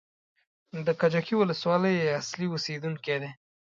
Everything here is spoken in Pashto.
د کجکي ولسوالۍ اصلي اوسېدونکی دی.